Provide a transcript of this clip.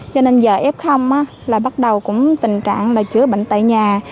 cho nên giờ f là bắt đầu tình trạng chữa bệnh tại nhà